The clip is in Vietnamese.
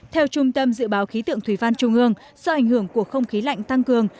theo trung tâm dự báo khí tượng thủy văn trung ương do ảnh hưởng của không khí lạnh tăng cường